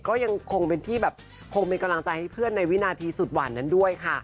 ก็ยังคงเป็นที่แบบคงเป็นกำลังใจให้เพื่อนในวินาทีสุดหวั่นนั้นด้วยค่ะ